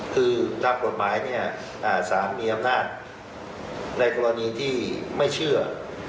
คือตามกฎหมายเนี่ยสารมีอำนาจในกรณีที่ไม่เชื่อ